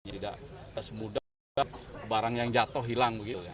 tidak semudah juga barang yang jatuh hilang begitu ya